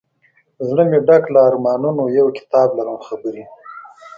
زړه مي ډک له ارمانونو یو کتاب لرم خبري